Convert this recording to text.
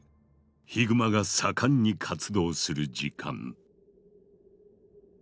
ヒグマが盛んに活動する時間。